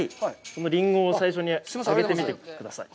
リンゴを最初にあげてみてください。